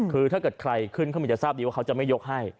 คือถ้าเกิดใครขึ้นเขามีจะทราบดีว่าเขาจะไม่ยกให้